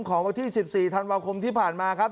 วันที่๑๔ธันวาคมที่ผ่านมาครับ